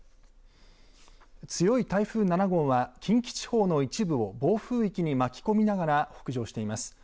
強い台風７号は近畿地方の一部を暴風域に巻き込みながら北上しています。